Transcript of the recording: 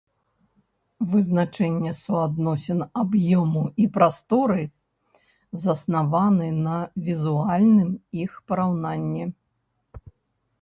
Вызначэнне суадносін аб'ёму і прасторы заснаваны на візуальным іх параўнанні.